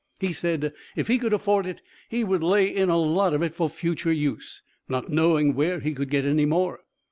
He said, if he could afford it, he would lay in a lot of it for future use, not knowing where he could get any more.